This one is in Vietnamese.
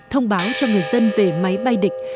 thông báo cho người dân về máy bay địch